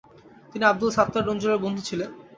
তিনি আব্দুল সাত্তার রঞ্জুরের বন্ধু ছিলেন।